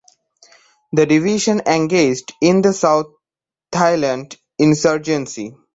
The division engaged in the South Thailand insurgency.